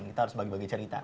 kita harus bagi bagi cerita